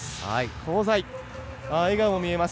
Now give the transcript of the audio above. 香西、笑顔も見えます。